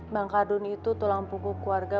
bang kardun itu tulang pukul keluarga